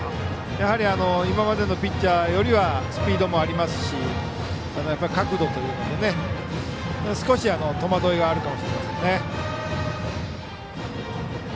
やはり今までのピッチャーよりはスピードもありますしあとは角度というので少し戸惑いがあるかもしれません。